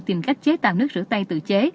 tìm cách chế tạo nước rửa tay tự chế